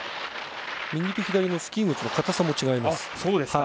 右と左のスキー靴のかたさも違います。